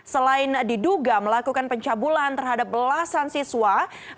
selain diduga melakukan pencabulan terhadap belasan siswa